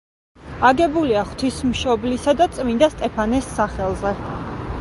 აგებულია ღვთისმშობლისა და წმინდა სტეფანეს სახელზე.